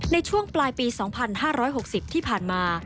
ในช่วงปลายปี๒๕๖๐ที่ผ่านมา